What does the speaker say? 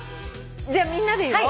じゃあみんなで言おう。